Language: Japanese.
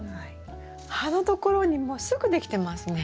葉のところにもうすぐできてますね。